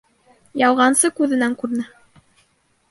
Ялғансы күҙенән күренә.